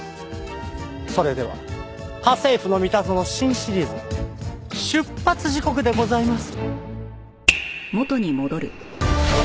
それでは『家政夫のミタゾノ』新シリーズ出発時刻でございます。